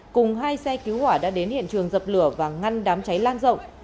cùng hai xe cứu hỏa đã đến hiện trường dập lửa và ngăn đám cháy lan rộng